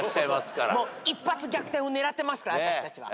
一発逆転を狙ってますから私たちは。